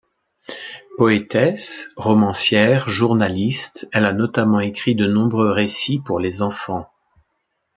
Poétesse, romancière, journaliste, elle a notamment écrit de nombreux récits pour les enfants.